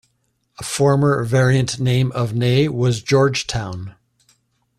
A former variant name of Ney was Georgetown.